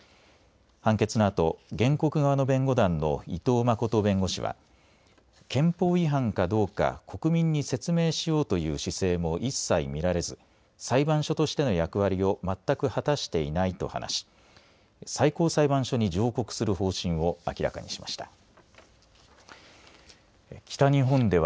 判決のあと原告側の弁護団の伊藤真弁護士は憲法違反かどうか国民に説明も一切見られず裁判所としての役割を全く果たしていないと話し最高裁判所に上告する方針を明らかにしました。